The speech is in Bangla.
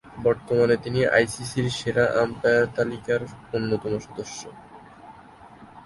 বর্তমানে তিনি আইসিসি’র সেরা আম্পায়ার তালিকার অন্যতম সদস্য।